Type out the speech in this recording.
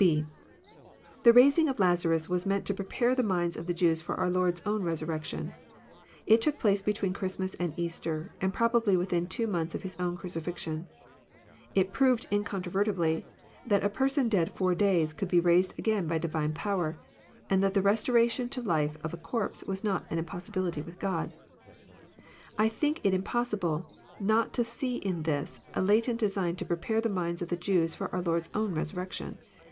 «(&) The raising of Lazarus was meant to prepare the minds of the Jews for our Lord's own resurrection. It took place between Christmas and Easter, and probably within two months of His own crucifixion. It proved incontrovertibly that a person dead four days could be raised again by Divine power, and that the restoration to life of a corpse was not an impossi bility with God. I think it impossible not to see in this a latent design to prepare the minds of the Jews for our Lord's own resurrection.